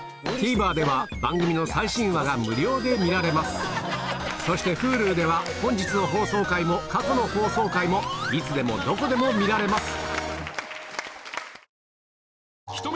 ＴＶｅｒでは番組の最新話が無料で見られますそしてＨｕｌｕでは本日の放送回も過去の放送回もいつでもどこでも見られます